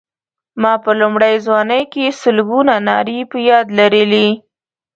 ما په لومړۍ ځوانۍ کې سلګونه نارې په یاد لرلې.